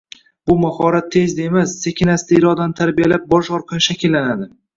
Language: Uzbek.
Bu mahorat tezda emas, sekin-asta irodani tarbiyalab borish orqali shakllanadi.